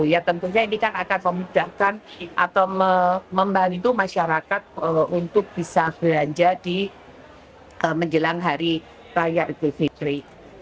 ya tentunya ini kan akan memudahkan atau membantu masyarakat untuk bisa belanja di menjelang hari raya idul fitri